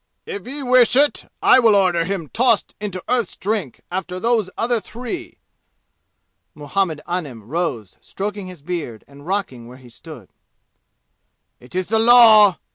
"If Ye wish it, I will order him tossed into Earth's Drink after those other three." Muhammed Anim rose stroking his beard and rocking where he stood. "It is the law!"